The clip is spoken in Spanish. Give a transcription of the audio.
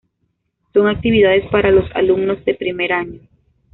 Son actividades para los alumnos de primer año.